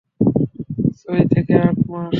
ছয় থেকে আট মাস!